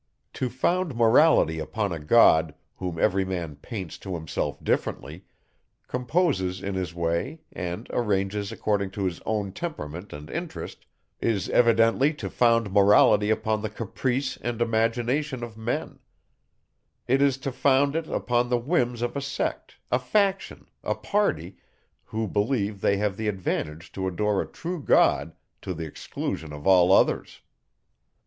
To found Morality upon a God, whom every man paints to himself differently, composes in his way, and arranges according to his own temperament and interest, is evidently to found Morality upon the caprice and imagination of men; it is to found it upon the whims of a sect, a faction, a party, who believe they have the advantage to adore a true God to the exclusion of all others.